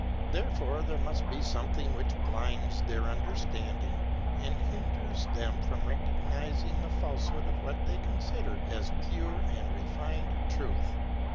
Therefore there must be something which blinds their un derstanding and hinders them from recognizing the falsehood of what they consider as pure and refined truth.